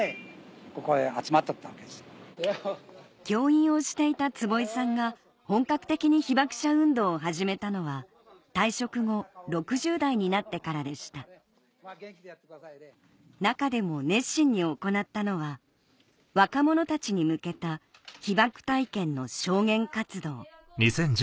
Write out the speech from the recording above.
教員をしていた坪井さんが本格的に被爆者運動を始めたのは退職後６０代になってからでした中でも熱心に行ったのは若者たちに向けた被爆体験の証言活動